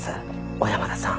小山田さん